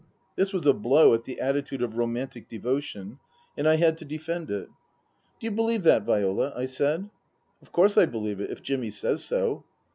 This was a blow at the attitude of romantic devotion, and I had to defend it. " Do you believe that, Viola ?" I said. " Of course I believe it if Jimmy says so."